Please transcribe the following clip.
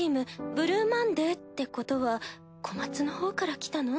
ブルーマンデーってことは小松のほうから来たの？